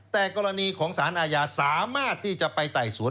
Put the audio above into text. แต่กรณีของสารอาญาสามารถที่จะไปไต่สวน